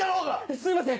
すいません！